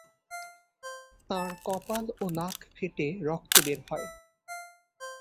তাঁর কপাল ও নাক ফেটে রক্ত বের হয়।